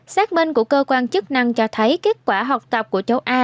xác minh của cơ quan chức năng cho thấy kết quả học tập của cháu a